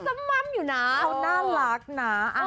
นางซ้ำมัมอยู่น้าเขาน่ารักน้า